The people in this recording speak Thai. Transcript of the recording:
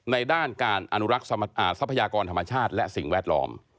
ด้านการอนุรักษ์ทรัพยากรธรรมชาติและสิ่งแวดล้อม